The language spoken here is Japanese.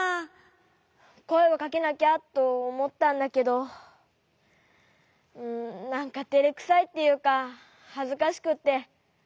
こえをかけなきゃとおもったんだけどなんかてれくさいっていうかはずかしくって。